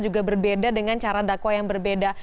juga berbeda dengan cara dakwah yang berbeda